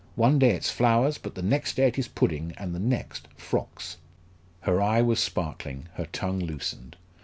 One day it's flowers but the next day it is pudding and the next frocks." Her eye was sparkling, her tongue loosened.